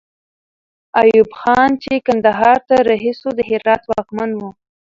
ایوب خان چې کندهار ته رهي سو، د هرات واکمن وو.